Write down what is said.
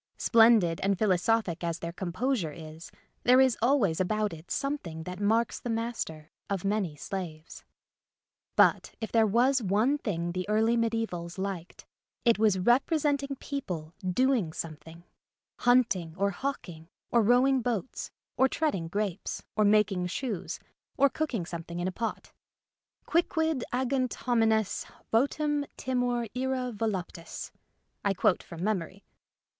Splendid and philosophic as their composure is there is always about it something that marks the master of many slaves. But if there was one thing the early medisevals liked it was representing people doing something — hunting or hawking, or rowing boats, or treading grapes, or making shoes, or cook ing something in a pot. '* Quicquid agunt homines, votum, timor, ira voluptas." (I quote from memory.)